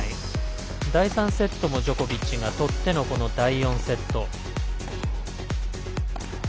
第３セットもジョコビッチがとってのこの第４セット。